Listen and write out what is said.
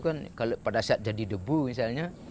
kan pada saat jadi debu misalnya